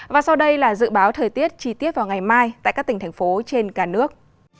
và sau đây là dự báo thời tiết chi tiết vào ngày mai tại các tỉnh thành phố trên cả nước